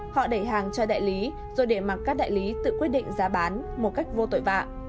họ đẩy hàng cho đại lý rồi để mặc các đại lý tự quyết định giá bán một cách vô tội vạ